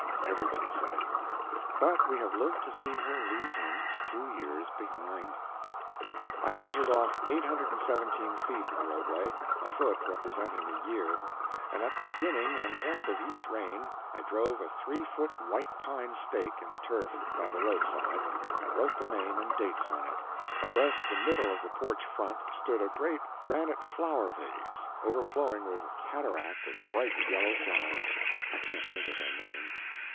Everybody said it. But we have lived to see her leave him two years behind. I measured off 817 feet of the roadway, a foot representing a year, and at the beginning and end of each reign I drove a three foot white pine stake in the turf by the roadside and wrote the name and dates on it. Abreast the middle of the porch front stood a great granite flower vase overflowing with a cataract of bright yellow flowers—I can't think of their name.